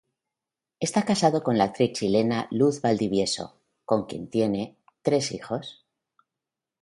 Es casado con la actriz chilena Luz Valdivieso, con quien tiene tres hijos.